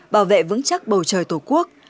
bảo vệ vững chắc bầu trời tổ quốc